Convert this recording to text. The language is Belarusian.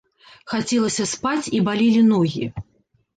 Хацелася спаць і балелі ногі.